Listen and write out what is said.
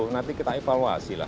nanti kita evaluasi lah